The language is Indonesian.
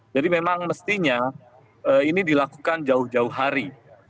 jadi memang mestinya ini dilakukan jauh jauh hari